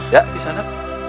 ya di sana